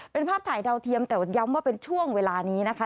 เป็นภาพถ่ายดาวเทียมแต่ย้ำว่าเป็นช่วงเวลานี้นะคะ